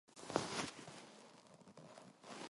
영신은 감격에 겨워 눈을 딱 감고는 아무 말도 못 하고 돌아섰다.